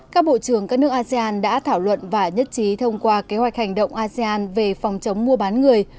các bộ trưởng các nước asean đã thảo luận và nhất trí thông qua kế hoạch hành động asean về phòng chống mua bán người